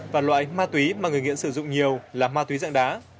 và loại ma túy mà người nghiện sử dụng nhiều là ma túy dạng đá